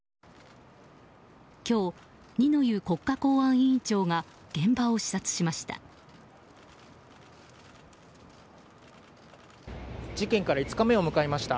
今日、二之湯国家公安委員長が現場を視察しました。